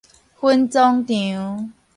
分裝場